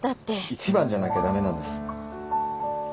一番じゃなきゃ駄目なんです。